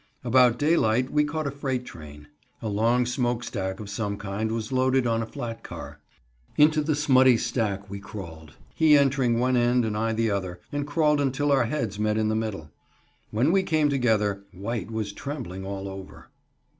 About daylight we caught a freight train. A long smokestack of some kind was loaded on a flat car. Into the smutty stack we crawled, he entering one end and I the other, and crawled until our heads met in the middle. When we came together White was trembling all over.